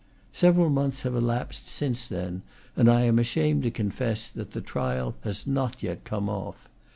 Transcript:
Several months have elapsed since then, and I am ashamed to confess that the trial has not yet come off.